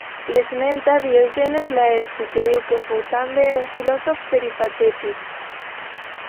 L'esmenta Diògenes Laerci que diu que fou també un filòsof peripatètic.